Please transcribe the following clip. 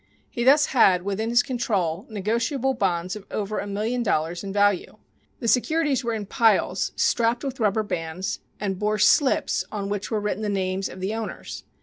He thus had within his control negotiable bonds of over a million dollars in value. The securities were in piles, strapped with rubber bands, and bore slips on which were written the names of the owners.